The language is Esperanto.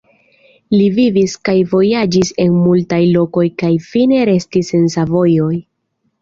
Li vivis kaj vojaĝis en multaj lokoj kaj fine restis en Savojo.